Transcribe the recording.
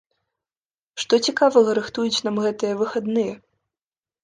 Што цікавага рыхтуюць нам гэтыя выхадныя?